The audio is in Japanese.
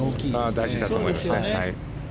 大事だと思います。